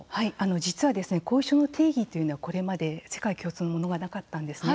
実は後遺症の定義というのは世界共通のものがなかったんですね。